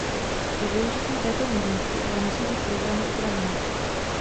Pro využití této možnosti ale musí být programy upraveny.